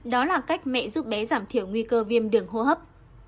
đó là cách mẹ giúp bé giảm thiểu nguy cơ viêm đường hô hấp